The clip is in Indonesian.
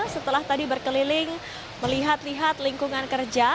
setelah tadi berkeliling melihat lihat lingkungan kerja